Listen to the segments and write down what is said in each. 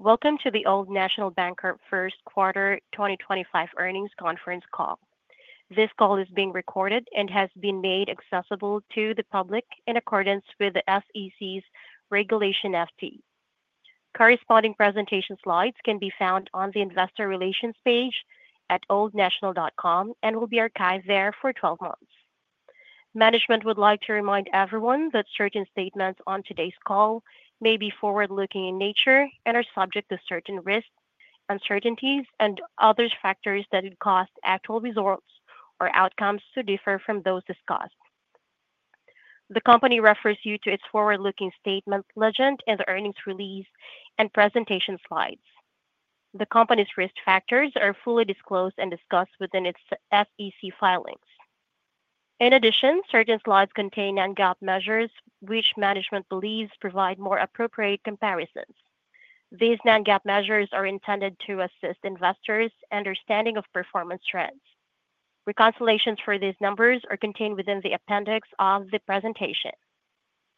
Welcome to the Old National Bancorp first quarter 2025 earnings conference call. This call is being recorded and has been made accessible to the public in accordance with the SEC's Regulation FD. Corresponding presentation slides can be found on the Investor Relations page at oldnational.com and will be archived there for 12 months. Management would like to remind everyone that certain statements on today's call may be forward-looking in nature and are subject to certain risks, uncertainties, and other factors that could cause actual results or outcomes to differ from those discussed. The company refers you to its forward-looking statement legend in the earnings release and presentation slides. The company's risk factors are fully disclosed and discussed within its SEC filings. In addition, certain slides contain non-GAAP measures which management believes provide more appropriate comparisons. These non-GAAP measures are intended to assist investors' understanding of performance trends. Reconciliations for these numbers are contained within the appendix of the presentation.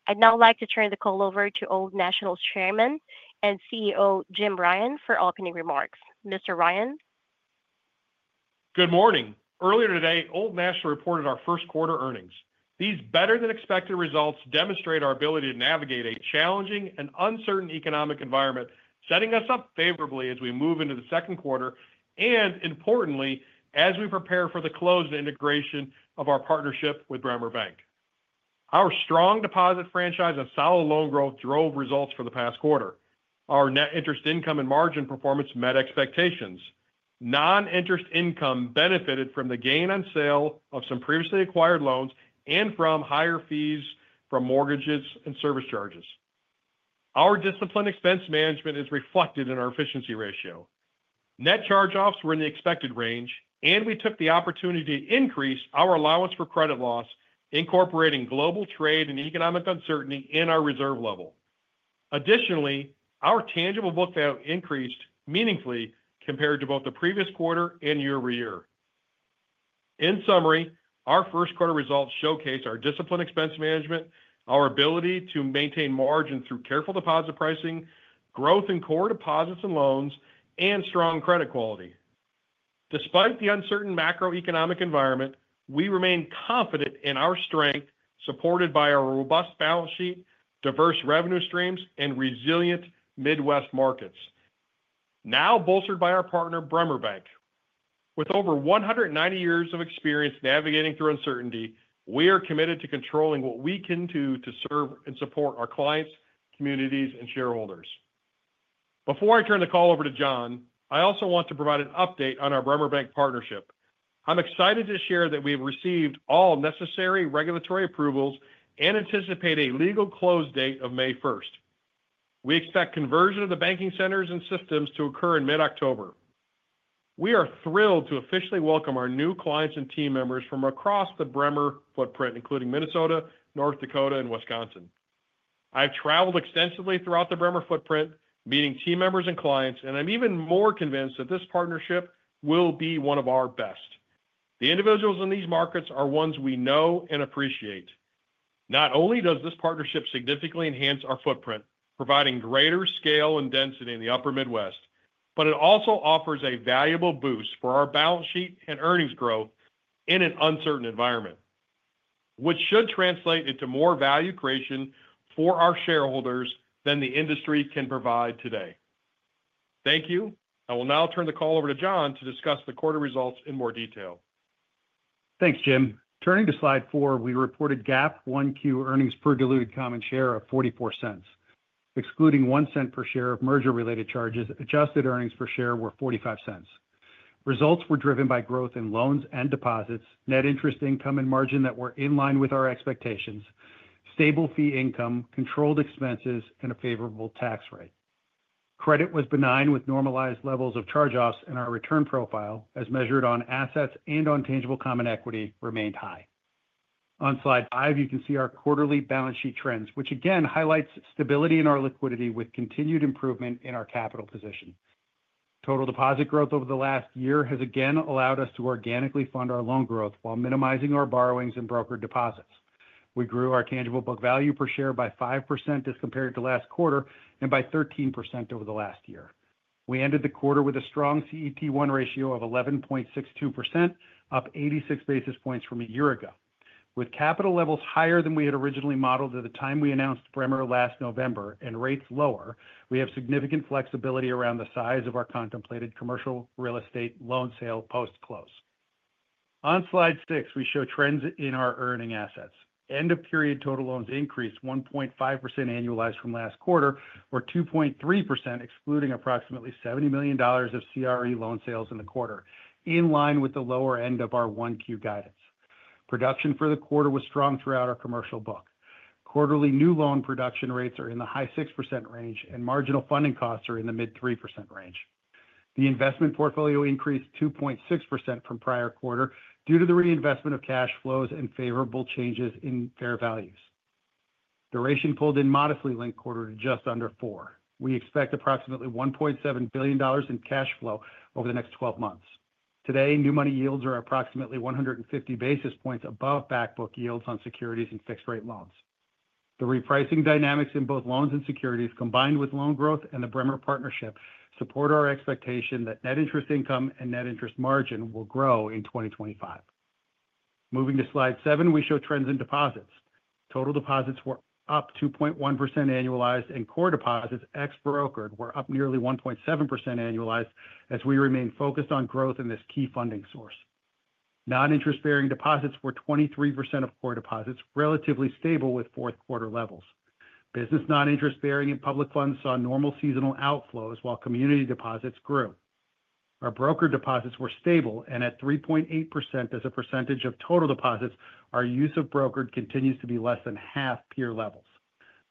I'd now like to turn the call over to Old National's Chairman and CEO, Jim Ryan, for opening remarks. Mr. Ryan. Good morning. Earlier today, Old National reported our first quarter earnings. These better-than-expected results demonstrate our ability to navigate a challenging and uncertain economic environment, setting us up favorably as we move into the second quarter and, importantly, as we prepare for the close and integration of our partnership with Bremer Bank. Our strong deposit franchise and solid loan growth drove results for the past quarter. Our net interest income and margin performance met expectations. Non-interest income benefited from the gain on sale of some previously acquired loans and from higher fees from mortgages and service charges. Our disciplined expense management is reflected in our efficiency ratio. Net charge-offs were in the expected range, and we took the opportunity to increase our allowance for credit loss, incorporating global trade and economic uncertainty in our reserve level. Additionally, our tangible book value increased meaningfully compared to both the previous quarter and year-over-year. In summary, our first quarter results showcase our disciplined expense management, our ability to maintain margins through careful deposit pricing, growth in core deposits and loans, and strong credit quality. Despite the uncertain macroeconomic environment, we remain confident in our strength, supported by our robust balance sheet, diverse revenue streams, and resilient Midwest markets, now bolstered by our partner, Bremer Bank. With over 190 years of experience navigating through uncertainty, we are committed to controlling what we can do to serve and support our clients, communities, and shareholders. Before I turn the call over to John, I also want to provide an update on our Bremer Bank partnership. I'm excited to share that we have received all necessary regulatory approvals and anticipate a legal close date of May 1st. We expect conversion of the banking centers and systems to occur in mid-October. We are thrilled to officially welcome our new clients and team members from across the Bremer footprint, including Minnesota, North Dakota, and Wisconsin. I've traveled extensively throughout the Bremer footprint, meeting team members and clients, and I'm even more convinced that this partnership will be one of our best. The individuals in these markets are ones we know and appreciate. Not only does this partnership significantly enhance our footprint, providing greater scale and density in the Upper Midwest, but it also offers a valuable boost for our balance sheet and earnings growth in an uncertain environment, which should translate into more value creation for our shareholders than the industry can provide today. Thank you. I will now turn the call over to John to discuss the quarter results in more detail. Thanks, Jim. Turning to slide four, we reported GAAP 1Q earnings per diluted common share of $0.44. Excluding $0.01 per share of merger-related charges, adjusted earnings per share were $0.45. Results were driven by growth in loans and deposits, net interest income and margin that were in line with our expectations, stable fee income, controlled expenses, and a favorable tax rate. Credit was benign with normalized levels of charge-offs, and our return profile, as measured on assets and on tangible common equity, remained high. On slide five, you can see our quarterly balance sheet trends, which again highlights stability in our liquidity with continued improvement in our capital position. Total deposit growth over the last year has again allowed us to organically fund our loan growth while minimizing our borrowings and brokered deposits. We grew our tangible book value per share by 5% as compared to last quarter and by 13% over the last year. We ended the quarter with a strong CET1 ratio of 11.62%, up 86 basis points from a year ago. With capital levels higher than we had originally modeled at the time we announced Bremer last November and rates lower, we have significant flexibility around the size of our contemplated commercial real estate loan sale post-close. On slide six, we show trends in our earning assets. End-of-period total loans increased 1.5% annualized from last quarter, or 2.3%, excluding approximately $70 million of CRE loan sales in the quarter, in line with the lower end of our 1Q guidance. Production for the quarter was strong throughout our commercial book. Quarterly new loan production rates are in the high 6% range, and marginal funding costs are in the mid 3% range. The investment portfolio increased 2.6% from prior quarter due to the reinvestment of cash flows and favorable changes in fair values. Duration pulled in modestly linked quarter to just under four. We expect approximately $1.7 billion in cash flow over the next 12 months. Today, new money yields are approximately 150 basis points above back book yields on securities and fixed-rate loans. The repricing dynamics in both loans and securities, combined with loan growth and the Bremer partnership, support our expectation that net interest income and net interest margin will grow in 2025. Moving to slide seven, we show trends in deposits. Total deposits were up 2.1% annualized, and core deposits ex-brokered were up nearly 1.7% annualized as we remain focused on growth in this key funding source. Non-interest-bearing deposits were 23% of core deposits, relatively stable with fourth quarter levels. Business non-interest-bearing and public funds saw normal seasonal outflows, while community deposits grew. Our brokered deposits were stable and at 3.8% as a percentage of total deposits. Our use of brokered continues to be less than half peer levels.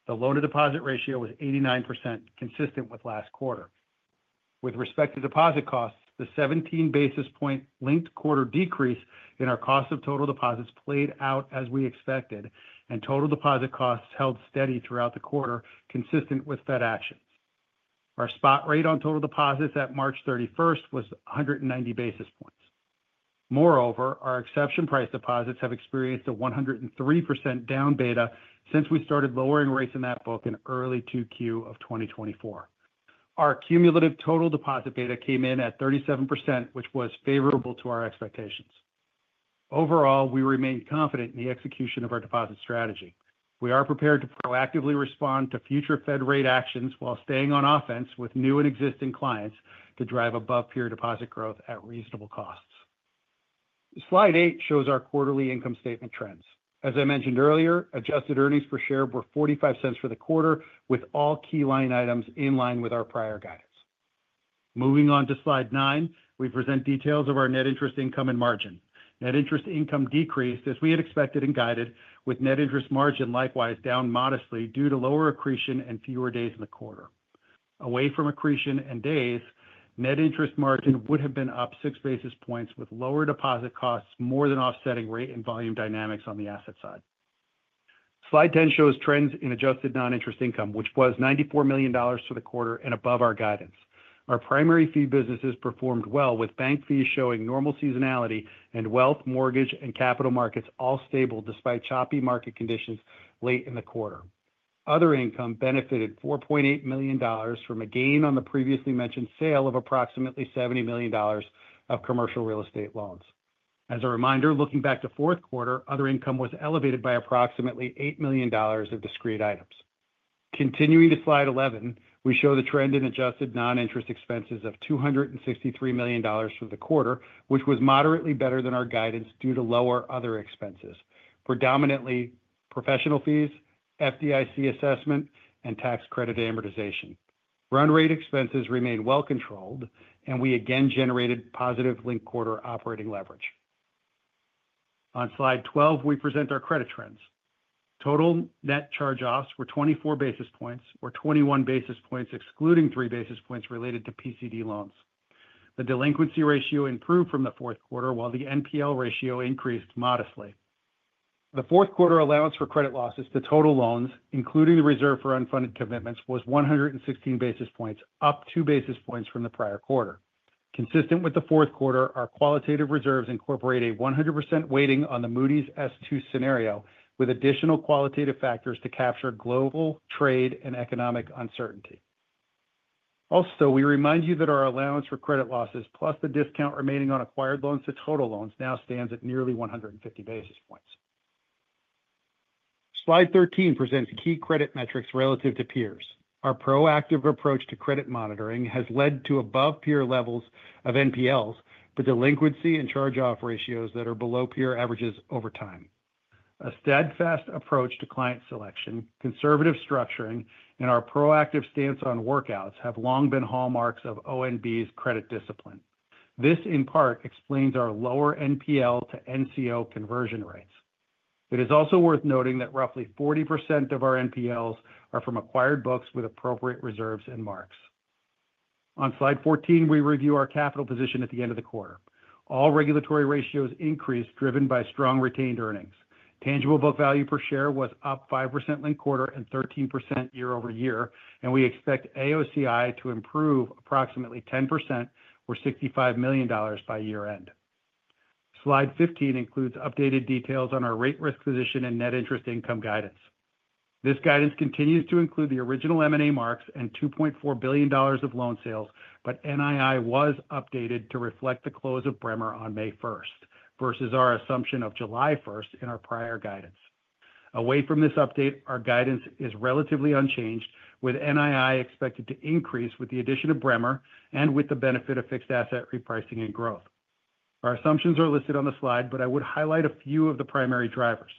The loan-to-deposit ratio was 89%, consistent with last quarter. With respect to deposit costs, the 17 basis point linked quarter decrease in our cost of total deposits played out as we expected, and total deposit costs held steady throughout the quarter, consistent with Fed actions. Our spot rate on total deposits at March 31st was 190 basis points. Moreover, our exception price deposits have experienced a 103% down beta since we started lowering rates in that book in early 2Q of 2024. Our cumulative total deposit beta came in at 37%, which was favorable to our expectations. Overall, we remain confident in the execution of our deposit strategy. We are prepared to proactively respond to future Fed rate actions while staying on offense with new and existing clients to drive above peer deposit growth at reasonable costs. Slide eight shows our quarterly income statement trends. As I mentioned earlier, adjusted earnings per share were $0.45 for the quarter, with all key line items in line with our prior guidance. Moving on to slide nine, we present details of our net interest income and margin. Net interest income decreased as we had expected and guided, with net interest margin likewise down modestly due to lower accretion and fewer days in the quarter. Away from accretion and days, net interest margin would have been up six basis points, with lower deposit costs more than offsetting rate and volume dynamics on the asset side. Slide 10 shows trends in adjusted non-interest income, which was $94 million for the quarter and above our guidance. Our primary fee businesses performed well, with bank fees showing normal seasonality and wealth, mortgage, and capital markets all stable despite choppy market conditions late in the quarter. Other income benefited $4.8 million from a gain on the previously mentioned sale of approximately $70 million of commercial real estate loans. As a reminder, looking back to fourth quarter, other income was elevated by approximately $8 million of discrete items. Continuing to slide 11, we show the trend in adjusted non-interest expenses of $263 million for the quarter, which was moderately better than our guidance due to lower other expenses, predominantly professional fees, FDIC assessment, and tax credit amortization. Run rate expenses remained well controlled, and we again generated positive linked quarter operating leverage. On slide 12, we present our credit trends. Total net charge-offs were 24 basis points, or 21 basis points excluding three basis points related to PCD loans. The delinquency ratio improved from the fourth quarter, while the NPL ratio increased modestly. The fourth quarter allowance for credit losses to total loans, including the reserve for unfunded commitments, was 116 basis points, up two basis points from the prior quarter. Consistent with the fourth quarter, our qualitative reserves incorporate a 100% weighting on the Moody's S2 scenario, with additional qualitative factors to capture global trade and economic uncertainty. Also, we remind you that our allowance for credit losses, plus the discount remaining on acquired loans to total loans, now stands at nearly 150 basis points. Slide 13 presents key credit metrics relative to peers. Our proactive approach to credit monitoring has led to above peer levels of NPLs, but delinquency and charge-off ratios that are below peer averages over time. A steadfast approach to client selection, conservative structuring, and our proactive stance on workouts have long been hallmarks of ONB's credit discipline. This, in part, explains our lower NPL to NCO conversion rates. It is also worth noting that roughly 40% of our NPLs are from acquired books with appropriate reserves and marks. On slide 14, we review our capital position at the end of the quarter. All regulatory ratios increased, driven by strong retained earnings. Tangible book value per share was up 5% linked quarter and 13% year-over-year, and we expect AOCI to improve approximately 10%, or $65 million by year-end. Slide 15 includes updated details on our rate risk position and net interest income guidance. This guidance continues to include the original M&A marks and $2.4 billion of loan sales, but NII was updated to reflect the close of Bremer on May 1st versus our assumption of July 1st in our prior guidance. Away from this update, our guidance is relatively unchanged, with NII expected to increase with the addition of Bremer and with the benefit of fixed asset repricing and growth. Our assumptions are listed on the slide, but I would highlight a few of the primary drivers.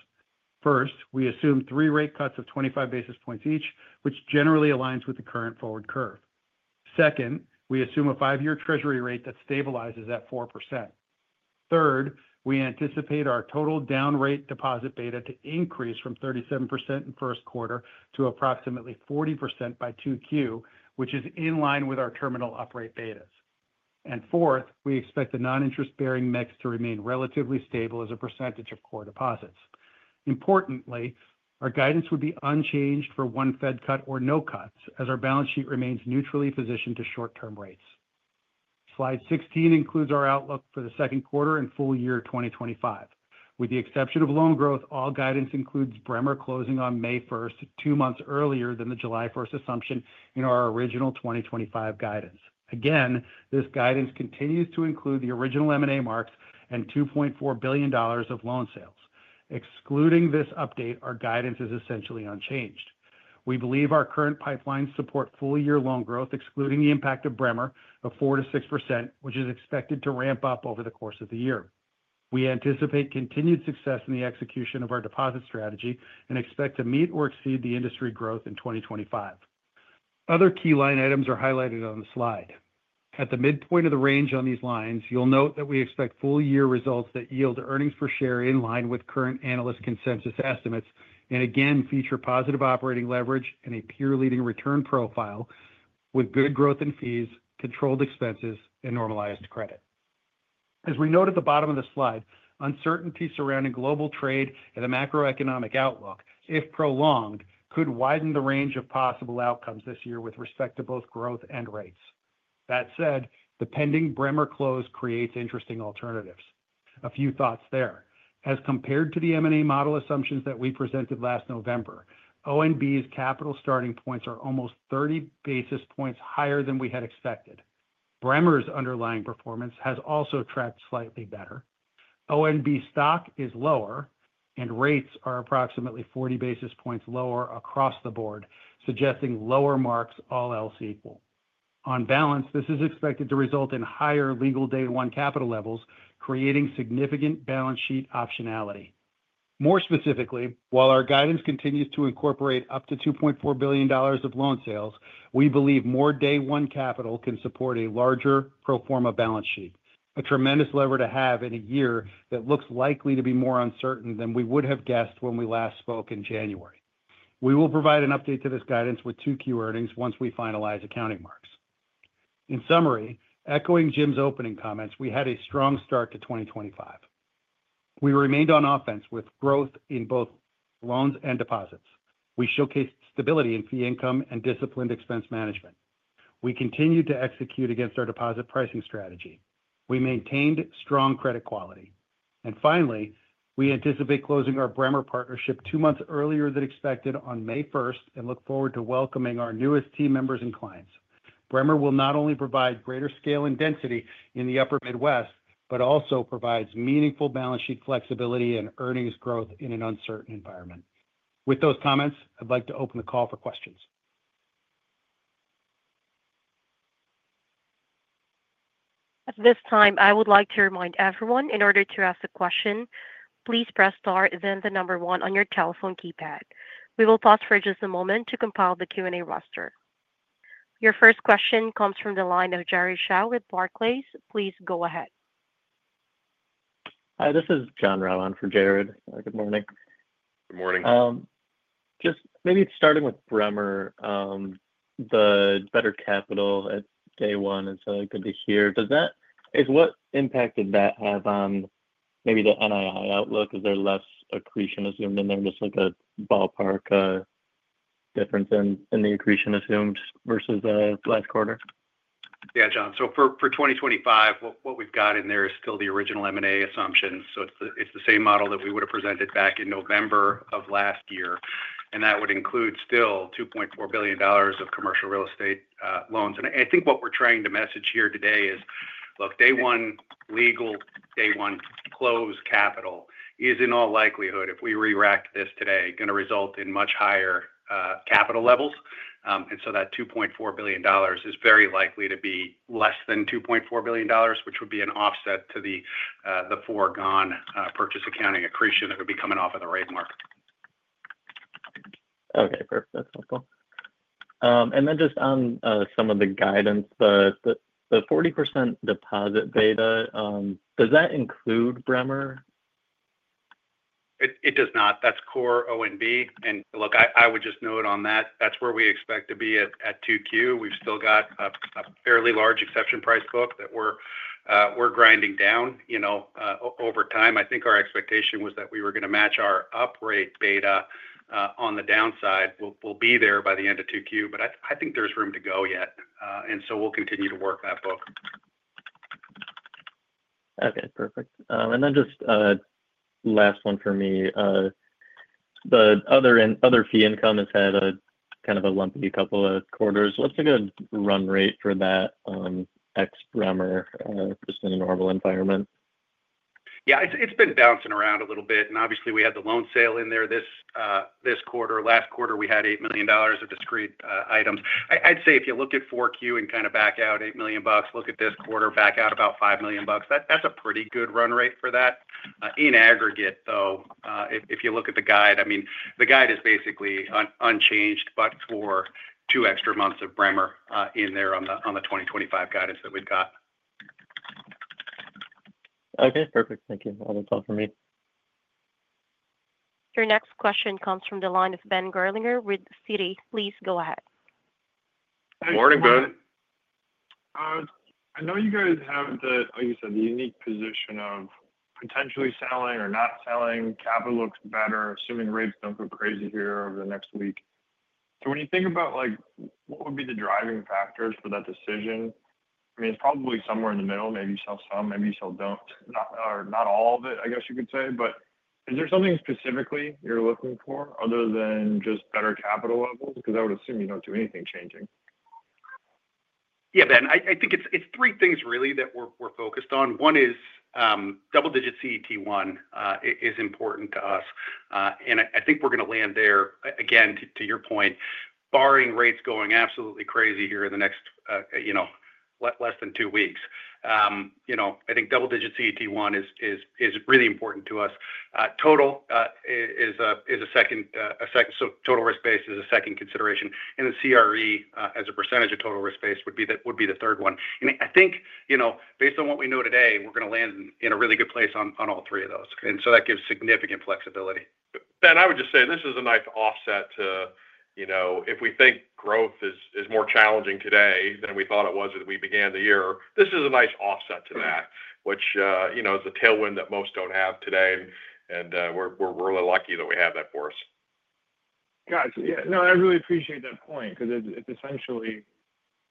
First, we assume three rate cuts of 25 basis points each, which generally aligns with the current forward curve. Second, we assume a five-year Treasury rate that stabilizes at 4%. Third, we anticipate our total down rate deposit beta to increase from 37% in first quarter to approximately 40% by 2Q, which is in line with our terminal up rate betas. We expect the non-interest-bearing mix to remain relatively stable as a percentage of core deposits. Importantly, our guidance would be unchanged for one Fed cut or no cuts, as our balance sheet remains neutrally positioned to short-term rates. Slide 16 includes our outlook for the second quarter and full-year 2025. With the exception of loan growth, all guidance includes Bremer closing on May 1st, two months earlier than the July 1st assumption in our original 2025 guidance. Again, this guidance continues to include the original M&A marks and $2.4 billion of loan sales. Excluding this update, our guidance is essentially unchanged. We believe our current pipeline supports full-year loan growth, excluding the impact of Bremer, of 4%-6%, which is expected to ramp up over the course of the year. We anticipate continued success in the execution of our deposit strategy and expect to meet or exceed the industry growth in 2025. Other key line items are highlighted on the slide. At the midpoint of the range on these lines, you'll note that we expect full-year results that yield earnings per share in line with current analyst consensus estimates and again feature positive operating leverage and a peer-leading return profile with good growth in fees, controlled expenses, and normalized credit. As we note at the bottom of the slide, uncertainty surrounding global trade and the macroeconomic outlook, if prolonged, could widen the range of possible outcomes this year with respect to both growth and rates. That said, the pending Bremer close creates interesting alternatives. A few thoughts there. As compared to the M&A model assumptions that we presented last November, ONB's capital starting points are almost 30 basis points higher than we had expected. Bremer's underlying performance has also tracked slightly better. ONB stock is lower, and rates are approximately 40 basis points lower across the board, suggesting lower marks, all else equal. On balance, this is expected to result in higher legal day one capital levels, creating significant balance sheet optionality. More specifically, while our guidance continues to incorporate up to $2.4 billion of loan sales, we believe more day one capital can support a larger pro forma balance sheet, a tremendous lever to have in a year that looks likely to be more uncertain than we would have guessed when we last spoke in January. We will provide an update to this guidance with 2Q earnings once we finalize accounting marks. In summary, echoing Jim's opening comments, we had a strong start to 2025. We remained on offense with growth in both loans and deposits. We showcased stability in fee income and disciplined expense management. We continued to execute against our deposit pricing strategy. We maintained strong credit quality. Finally, we anticipate closing our Bremer partnership two months earlier than expected on May 1st and look forward to welcoming our newest team members and clients. Bremer will not only provide greater scale and density in the Upper Midwest, but also provides meaningful balance sheet flexibility and earnings growth in an uncertain environment. With those comments, I'd like to open the call for questions. At this time, I would like to remind everyone, in order to ask a question, please press star, then the number one on your telephone keypad. We will pause for just a moment to compile the Q&A roster. Your first question comes from the line of Jared Shaw with Barclays. Please go ahead. Hi, this is John Rowan for Jared. Good morning. Good morning. Just maybe starting with Bremer, the better capital at day one is good to hear. What impact did that have on maybe the NII outlook? Is there less accretion assumed in there, just like a ballpark difference in the accretion assumed versus last quarter? Yeah, John. For 2025, what we've got in there is still the original M&A assumptions. It is the same model that we would have presented back in November of last year. That would include still $2.4 billion of commercial real estate loans. I think what we're trying to message here today is, look, day one legal, day one closed capital is, in all likelihood, if we re-rack this today, going to result in much higher capital levels. That $2.4 billion is very likely to be less than $2.4 billion, which would be an offset to the foregone purchase accounting accretion that would be coming off of the rate mark. Okay, perfect. That's helpful. Just on some of the guidance, the 40% deposit beta, does that include Bremer? It does not. That's core ONB. I would just note on that, that's where we expect to be at 2Q. We've still got a fairly large exception price book that we're grinding down over time. I think our expectation was that we were going to match our up rate beta on the downside. We'll be there by the end of 2Q, but I think there's room to go yet. We'll continue to work that book. Okay, perfect. Just last one for me. The other fee income has had kind of a lumpy couple of quarters. What's a good run rate for that ex-Bremer just in a normal environment? Yeah, it's been bouncing around a little bit. Obviously, we had the loan sale in there this quarter. Last quarter, we had $8 million of discrete items. I'd say if you look at 4Q and kind of back out $8 million, look at this quarter, back out about $5 million, that's a pretty good run rate for that. In aggregate, though, if you look at the guide, I mean, the guide is basically unchanged, but for two extra months of Bremer in there on the 2025 guidance that we've got. Okay, perfect. Thank you. That'll be all from me. Your next question comes from the line of Ben Gerlinger with Citi. Please go ahead. Good morning, Ben. I know you guys have, like you said, the unique position of potentially selling or not selling. Capital looks better, assuming rates don't go crazy here over the next week. When you think about what would be the driving factors for that decision, I mean, it's probably somewhere in the middle. Maybe you sell some, maybe you don't sell, or not all of it, I guess you could say. Is there something specifically you're looking for other than just better capital levels? I would assume you don't do anything changing. Yeah, Ben, I think it's three things, really, that we're focused on. One is double-digit CET1 is important to us. I think we're going to land there, again, to your point, barring rates going absolutely crazy here in the next less than two weeks. I think double-digit CET1 is really important to us. Total is a second, total risk base is a second consideration. The CRE, as a percentage of total risk base, would be the third one. I think, based on what we know today, we're going to land in a really good place on all three of those. That gives significant flexibility. Ben, I would just say this is a nice offset to if we think growth is more challenging today than we thought it was when we began the year, this is a nice offset to that, which is a tailwind that most don't have today. We're really lucky that we have that for us. Gotcha. Yeah. No, I really appreciate that point because it's essentially,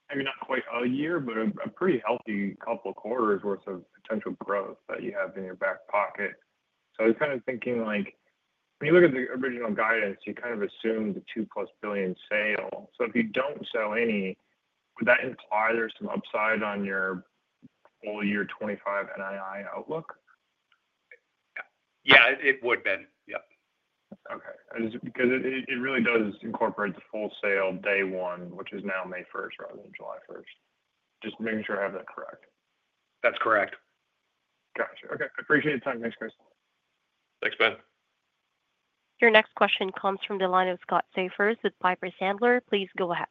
I mean, not quite a year, but a pretty healthy couple of quarters' worth of potential growth that you have in your back pocket. I was kind of thinking, when you look at the original guidance, you kind of assumed the $2 billion plus sale. If you do not sell any, would that imply there's some upside on your full-year 2025 NII outlook? Yeah, it would, Ben. Yep. Okay. Because it really does incorporate the full sale day one, which is now May 1st rather than July 1st. Just making sure I have that correct. That's correct. Gotcha. Okay. I appreciate your time. Thanks, Mark. Thanks, Ben. Your next question comes from the line of Scott Siefers with Piper Sandler. Please go ahead.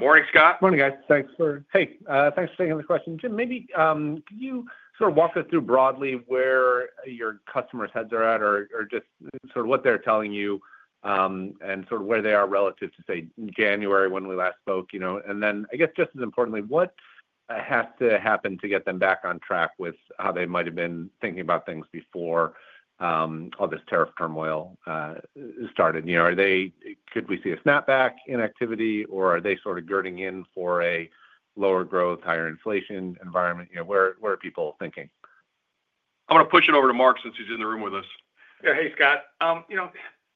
Morning, Scott. Morning, guys. Thanks for, hey, thanks for taking the question. Jim, maybe could you sort of walk us through broadly where your customers' heads are at, or just sort of what they're telling you, and sort of where they are relative to, say, January when we last spoke? I guess, just as importantly, what has to happen to get them back on track with how they might have been thinking about things before all this tariff turmoil started? Could we see a snapback in activity, or are they sort of girding in for a lower growth, higher inflation environment? Where are people thinking? I'm going to push it over to Mark since he's in the room with us. Yeah. Hey, Scott.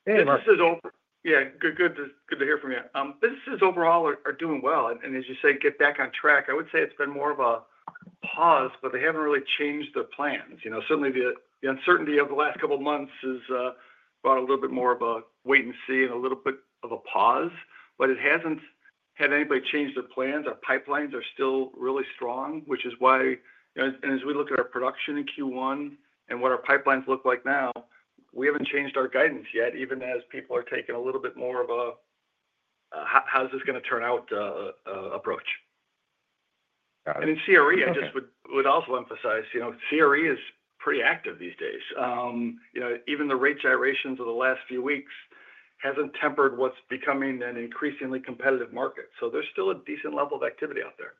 Hey, Mark. This is over. Yeah. Good to hear from you. Businesses overall are doing well. As you say, get back on track, I would say it's been more of a pause, but they haven't really changed their plans. Certainly, the uncertainty of the last couple of months has brought a little bit more of a wait and see and a little bit of a pause. It hasn't had anybody change their plans. Our pipelines are still really strong, which is why, and as we look at our production in Q1 and what our pipelines look like now, we haven't changed our guidance yet, even as people are taking a little bit more of a, "How's this going to turn out?" approach. In CRE, I just would also emphasize, CRE is pretty active these days. Even the rate gyrations of the last few weeks haven't tempered what's becoming an increasingly competitive market. There's still a decent level of activity out there.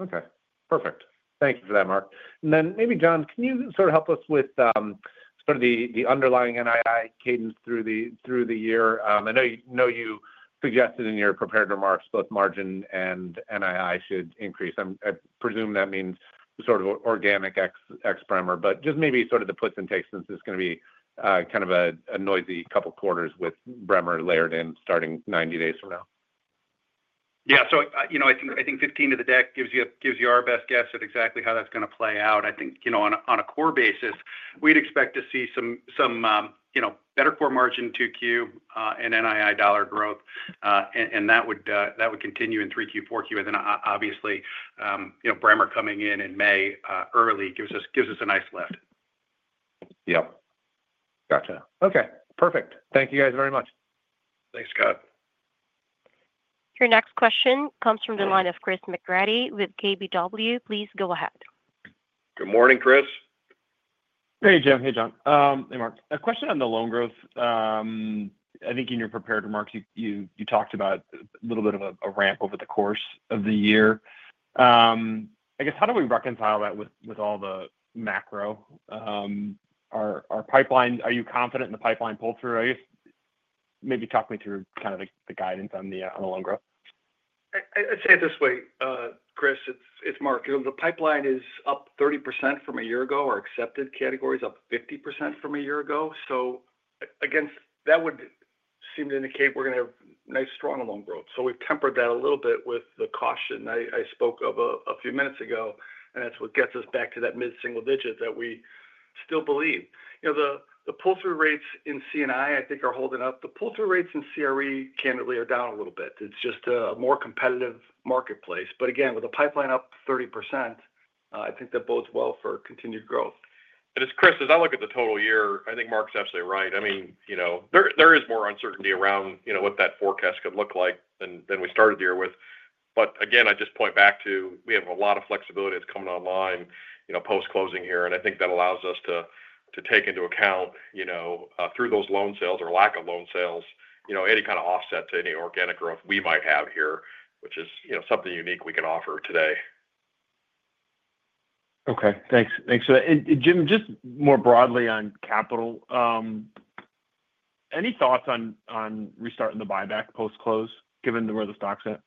Okay. Perfect. Thank you for that, Mark. Maybe, John, can you sort of help us with sort of the underlying NII cadence through the year? I know you suggested in your prepared remarks both margin and NII should increase. I presume that means sort of organic ex-Bremer. Just maybe sort of the puts and takes since it is going to be kind of a noisy couple of quarters with Bremer layered in starting 90 days from now. Yeah. I think 15 to the deck gives you our best guess at exactly how that is going to play out. I think on a core basis, we would expect to see some better core margin 2Q and NII dollar growth. That would continue in 3Q, 4Q. Obviously, Bremer coming in in May early gives us a nice lift. Yep. Gotcha. Okay. Perfect. Thank you guys very much. Thanks, Scott. Your next question comes from the line of Chris McGratty with KBW. Please go ahead. Good morning, Chris. Hey, Jim. Hey, John. Hey, Mark. A question on the loan growth. I think in your prepared remarks, you talked about a little bit of a ramp over the course of the year. I guess, how do we reconcile that with all the macro? Are you confident in the pipeline pulled through? I guess, maybe talk me through kind of the guidance on the loan growth. I'd say it this way, Chris. It's Mark. The pipeline is up 30% from a year ago or accepted categories up 50% from a year ago. That would seem to indicate we're going to have nice, strong loan growth. We have tempered that a little bit with the caution I spoke of a few minutes ago. That is what gets us back to that mid-single digit that we still believe. The pull-through rates in C&I, I think, are holding up. The pull-through rates in CRE, candidly, are down a little bit. It is just a more competitive marketplace. Again, with a pipeline up 30%, I think that bodes well for continued growth. Chris, as I look at the total year, I think Mark is absolutely right. I mean, there is more uncertainty around what that forecast could look like than we started the year with. Again, I just point back to we have a lot of flexibility that is coming online post-closing here. I think that allows us to take into account, through those loan sales or lack of loan sales, any kind of offset to any organic growth we might have here, which is something unique we can offer today. Okay. Thanks. Jim, just more broadly on capital, any thoughts on restarting the buyback post-close, given where the stock's at?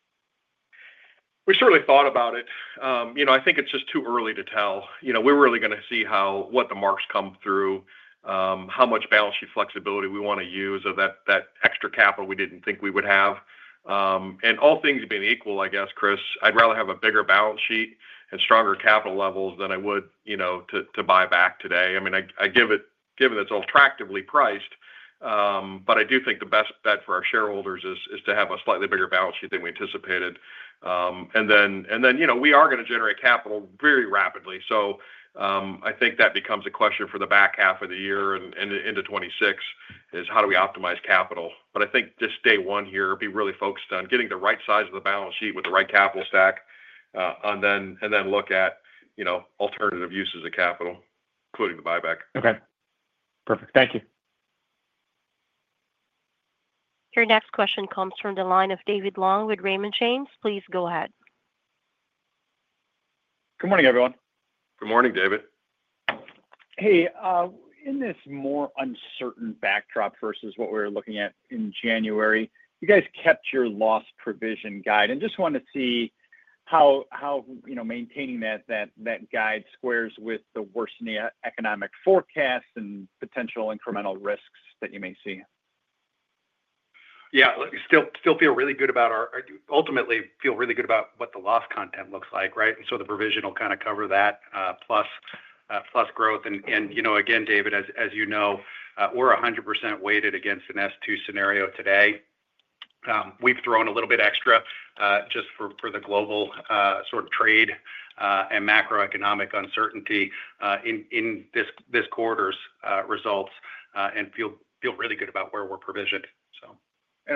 We certainly thought about it. I think it's just too early to tell. We're really going to see what the marks come through, how much balance sheet flexibility we want to use of that extra capital we didn't think we would have. All things being equal, I guess, Chris, I'd rather have a bigger balance sheet and stronger capital levels than I would to buy back today. I mean, I give it that's attractively priced. I do think the best bet for our shareholders is to have a slightly bigger balance sheet than we anticipated. We are going to generate capital very rapidly. I think that becomes a question for the back half of the year and into 2026 is how do we optimize capital? I think just day one here, be really focused on getting the right size of the balance sheet with the right capital stack, and then look at alternative uses of capital, including the buyback. Okay. Perfect. Thank you. Your next question comes from the line of David Long with Raymond James. Please go ahead. Good morning, everyone. Good morning, David. Hey, in this more uncertain backdrop versus what we were looking at in January, you guys kept your loss provision guide. Just want to see how maintaining that guide squares with the worsening economic forecasts and potential incremental risks that you may see. Yeah. Still feel really good about our ultimately feel really good about what the loss content looks like, right? The provisional kind of cover that plus growth. Again, David, as you know, we're 100% weighted against an S2 scenario today. We've thrown a little bit extra just for the global sort of trade and macroeconomic uncertainty in this quarter's results and feel really good about where we're provisioned.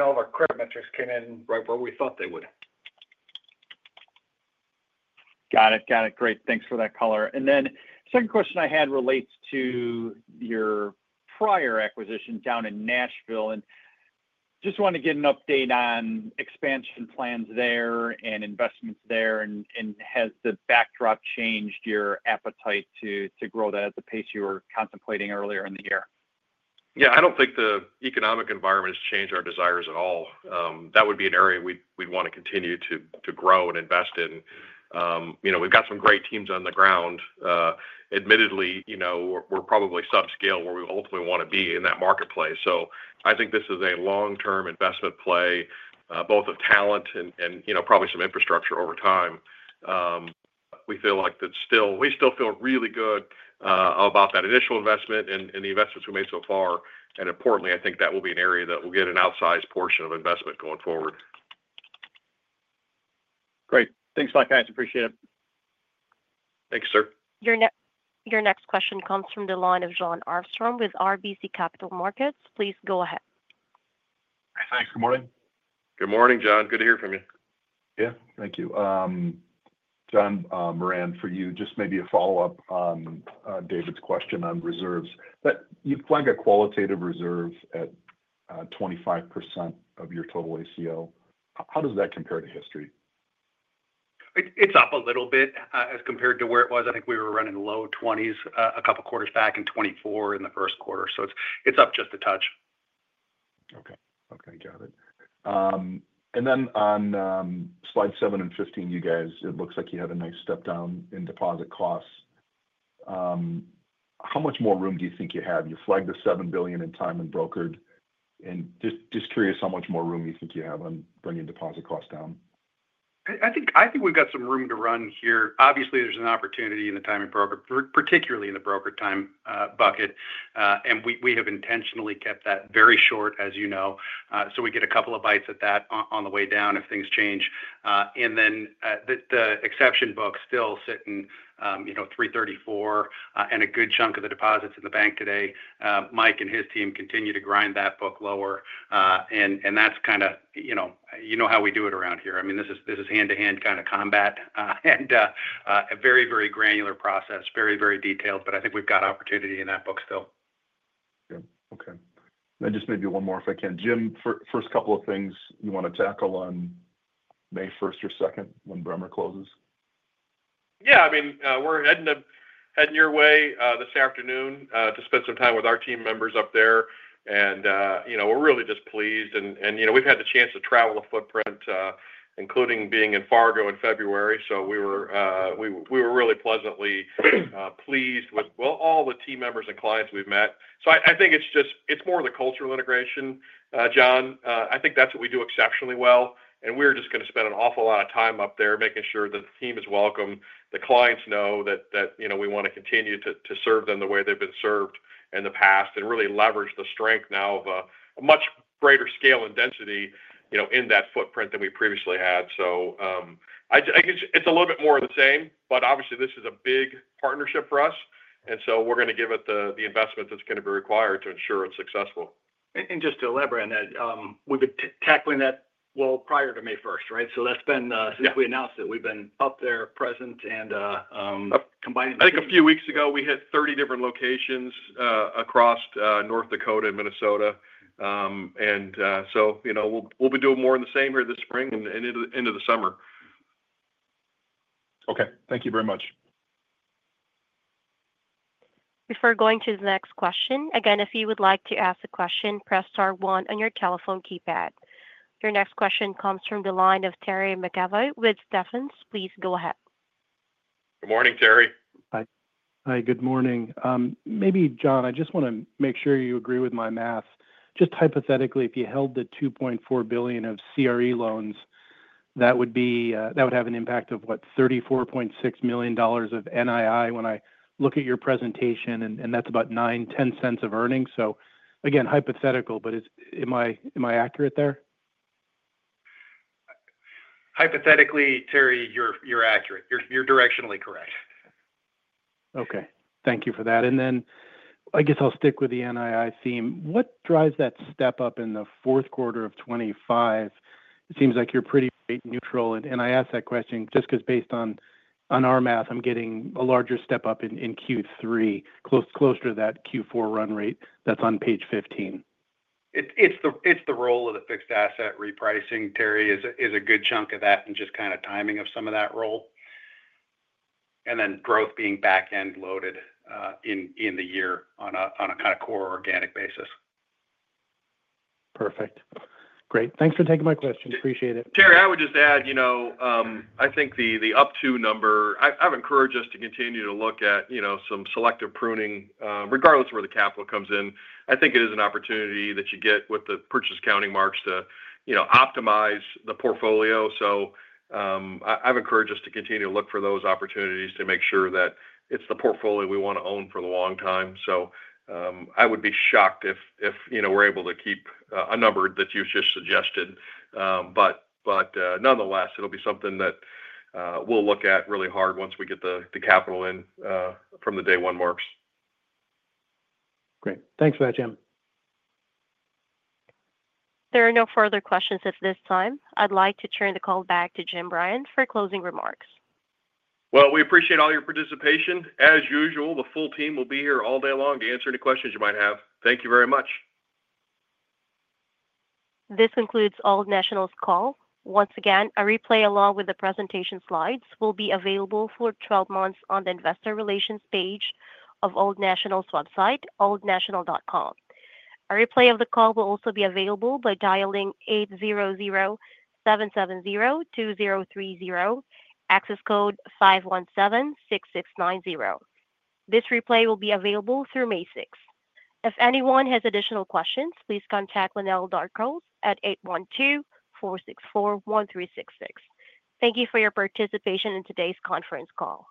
All of our credit metrics came in right where we thought they would. Got it. Got it. Great. Thanks for that color. The second question I had relates to your prior acquisition down in Nashville. I just want to get an update on expansion plans there and investments there. Has the backdrop changed your appetite to grow that at the pace you were contemplating earlier in the year? Yeah. I don't think the economic environment has changed our desires at all. That would be an area we'd want to continue to grow and invest in. We've got some great teams on the ground. Admittedly, we're probably subscale where we ultimately want to be in that marketplace. I think this is a long-term investment play, both of talent and probably some infrastructure over time. We feel like we still feel really good about that initial investment and the investments we made so far. Importantly, I think that will be an area that we'll get an outsized portion of investment going forward. Great. Thanks, Mark. I appreciate it. Thank you, sir. Your next question comes from the line of Jon Arfstrom with RBC Capital Markets. Please go ahead. Hey, thanks. Good morning. Good morning, John. Good to hear from you. Yeah. Thank you. John Moran, for you, just maybe a follow-up on David's question on reserves. You flagged a qualitative reserve at 25% of your total ACL. How does that compare to history? It's up a little bit as compared to where it was. I think we were running low 20s a couple of quarters back in 2024 in the first quarter. It is up just a touch. Okay. Okay. Got it. On slide seven and 15, you guys, it looks like you have a nice step down in deposit costs. How much more room do you think you have? You flagged the $7 billion in time and brokered. Just curious how much more room you think you have on bringing deposit costs down. I think we have got some room to run here. Obviously, there is an opportunity in the time and broker, particularly in the broker time bucket. We have intentionally kept that very short, as you know. We get a couple of bites at that on the way down if things change. The exception book is still sitting 334 and a good chunk of the deposits in the bank today. Mike and his team continue to grind that book lower. That is kind of, you know, how we do it around here. I mean, this is hand-to-hand kind of combat and a very, very granular process, very, very detailed. I think we have got opportunity in that book still. Yeah. Okay. Just maybe one more if I can. Jim, first couple of things you want to tackle on May 1st or 2nd when Bremer closes? Yeah. I mean, we are heading your way this afternoon to spend some time with our team members up there. We are really just pleased. We have had the chance to travel a footprint, including being in Fargo in February. We were really pleasantly pleased with all the team members and clients we have met. I think it's more of the cultural integration, John. I think that's what we do exceptionally well. We're just going to spend an awful lot of time up there making sure that the team is welcome, the clients know that we want to continue to serve them the way they've been served in the past, and really leverage the strength now of a much greater scale and density in that footprint than we previously had. I guess it's a little bit more of the same. Obviously, this is a big partnership for us. We're going to give it the investment that's going to be required to ensure it's successful. Just to elaborate on that, we've been tackling that well prior to May 1st, right? Since we announced it, we've been up there, present, and combined. I think a few weeks ago, we hit 30 different locations across North Dakota and Minnesota. We will be doing more in the same here this spring and into the summer. Okay. Thank you very much. Before going to the next question, again, if you would like to ask a question, press star one on your telephone keypad. Your next question comes from the line of Terry McEvoy with Stephens. Please go ahead. Good morning, Terry. Hi. Hi. Good morning. Maybe, John, I just want to make sure you agree with my math. Just hypothetically, if you held the $2.4 billion of CRE loans, that would have an impact of what, $34.6 million of NII when I look at your presentation, and that is about 9-10 cents of earnings. Hypothetical, but am I accurate there? Hypothetically, Terry, you are accurate. You are directionally correct. Okay. Thank you for that. I guess I'll stick with the NII theme. What drives that step up in the fourth quarter of 2025? It seems like you're pretty neutral. I ask that question just because based on our math, I'm getting a larger step up in Q3, closer to that Q4 run rate that's on page 15. It's the role of the fixed asset repricing, Terry, is a good chunk of that and just kind of timing of some of that role. Growth being back-end loaded in the year on a kind of core organic basis. Perfect. Great. Thanks for taking my question. Appreciate it. Terry, I would just add, I think the up-to number, I've encouraged us to continue to look at some selective pruning regardless of where the capital comes in. I think it is an opportunity that you get with the purchase accounting marks to optimize the portfolio. I have encouraged us to continue to look for those opportunities to make sure that it is the portfolio we want to own for the long time. I would be shocked if we are able to keep a number that you have just suggested. Nonetheless, it will be something that we will look at really hard once we get the capital in from the day one marks. Great. Thanks for that, Jim. There are no further questions at this time. I would like to turn the call back to Jim Ryan for closing remarks. We appreciate all your participation. As usual, the full team will be here all day long to answer any questions you might have. Thank you very much. This concludes Old National's call. Once again, a replay along with the presentation slides will be available for 12 months on the investor relations page of Old National's website, oldnational.com. A replay of the call will also be available by dialing 800-770-2030, access code 517-6690. This replay will be available through May 6th. If anyone has additional questions, please contact Lynell Durchholz at 812-464-1366. Thank you for your participation in today's conference call.